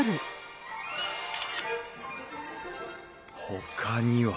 ほかには？